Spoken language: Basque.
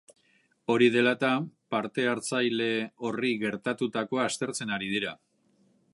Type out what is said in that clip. Hori dela eta, parte-hartzaile horri gertatutakoa aztertzen ari dira.